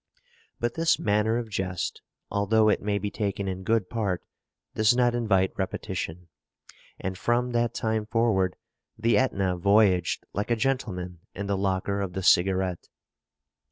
But this manner of jest, although it may be taken in good part, does not invite repetition; and from that time forward, the Etna voyaged like a gentleman in the locker of the Cigarette.